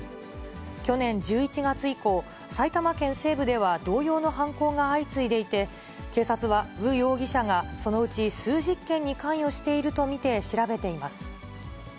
去年１１月以降、埼玉県西部では同様の犯行が相次いでいて、警察は、ヴ容疑者がそのうち数十件に関与していると見て調べています。